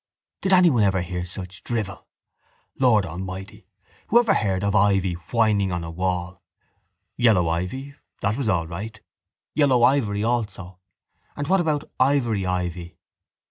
Did anyone ever hear such drivel? Lord Almighty! Who ever heard of ivy whining on a wall? Yellow ivy; that was all right. Yellow ivory also. And what about ivory ivy?